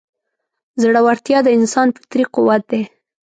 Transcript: زړهورتیا د انسان فطري قوت دی.